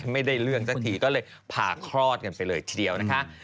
ไม่ได้เรื่องสักทีก็เลยพาคลอดกันไปเลยทีเดียวนะคะ